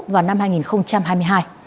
vào năm hai nghìn hai mươi hai